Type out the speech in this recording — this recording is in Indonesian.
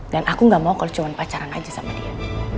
dan aku gak mau kalau cuma pacaran aja sama dia